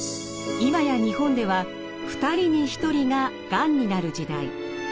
今や日本では２人に１人ががんになる時代。